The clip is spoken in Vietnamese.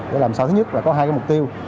để làm sao thứ nhất là có hai cái mục tiêu